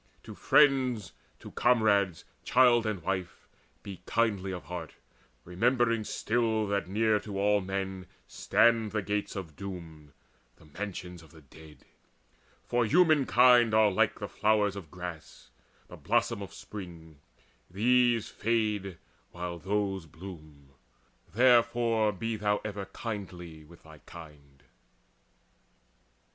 To friends, To comrades, child and wife, be kindly of heart, Remembering still that near to all men stand The gates of doom, the mansions of the dead: For humankind are like the flower of grass, The blossom of spring; these fade the while those bloom: Therefore be ever kindly with thy kind.